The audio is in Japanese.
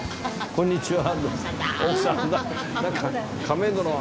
こんにちは。